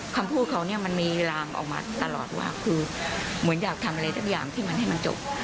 คำพูดเขาเนี่ยมันมีรางออกมาตลอดว่าคือเหมือนอยากทำอะไรสักอย่างที่มันให้มันจบ